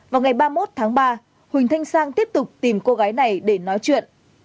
vào ngày ba mươi một tháng ba huỳnh thanh sang tiếp tục tìm cô gái này để nói chuyện